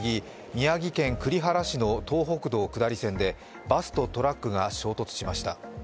宮城県栗原市の東北道下り線でバスとトラックが衝突しました。